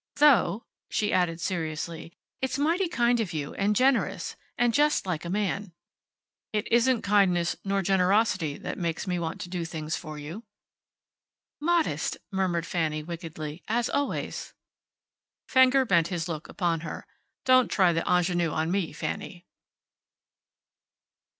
Though," she added, seriously, "it's mighty kind of you, and generous and just like a man." "It isn't kindness nor generosity that makes me want to do things for you." "Modest," murmured Fanny, wickedly, "as always." Fenger bent his look upon her. "Don't try the ingenue on me, Fanny."